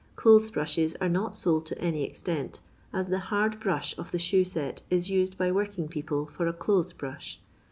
Olothes' brushes ore not sold to any extent, as the " hard brush" of the shoe set is used by working people for a clothes' brush.